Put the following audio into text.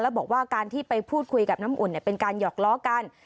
แล้วบอกว่าการที่ไปพูดคุยกับน้ำอุ่นเป็นการหอกล้อกัน